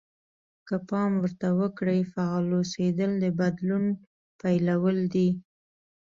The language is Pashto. که پام ورته وکړئ فعال اوسېدل د بدلون پيلول دي.